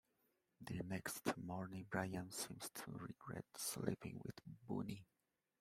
The next morning, Brian seems to regret sleeping with Bonnie.